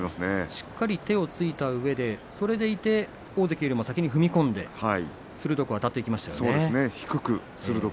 しっかり手をついたうえでそれでいて大関にも先に踏み込んで鋭くあたっていきましたね。